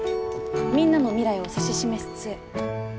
みんなの未来を指し示す杖。